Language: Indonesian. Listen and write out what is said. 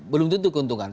belum tentu keuntungan